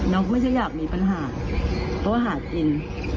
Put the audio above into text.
ไม่ใช่อยากมีปัญหาเพราะว่าหากิน